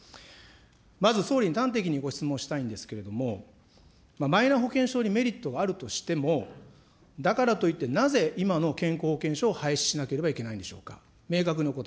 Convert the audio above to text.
まず総理に端的にご質問したいんですけれども、マイナ保険証にメリットがあるとしても、だからといって、なぜ今の健康保険証を廃止しなければいけないんでしょうか。